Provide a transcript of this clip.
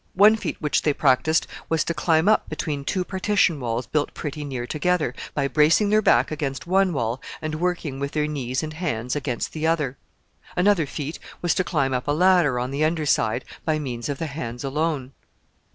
One feat which they practiced was to climb up between two partition walls built pretty near together, by bracing their back against one wall, and working with their knees and hands against the other. Another feat was to climb up a ladder on the under side by means of the hands alone.